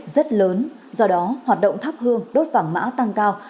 rất lớn do đó hoạt động thắp hương đốt vàng mã tăng cao